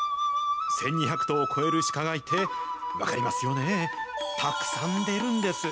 １２００頭を超える鹿がいて、分かりますよね、たくさん出るんです。